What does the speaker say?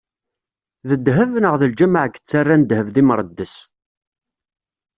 D ddheb, neɣ d lǧameɛ yettarran ddheb d imreddes?